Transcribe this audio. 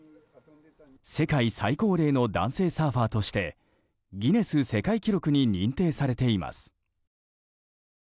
世界最高齢の男性サーファーとしてギネス世界記録に認定されています。